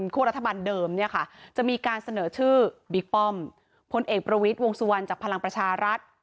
รัฐบาลเดิมเนี่ยค่ะจะมีการเสนอชื่อบิ๊กป้อมพลเอกประวิทย์วงสุวรรณจากพลังประชารัฐ